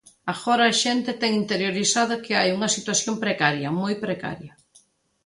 Agora a xente ten interiorizada que hai unha situación precaria, moi precaria.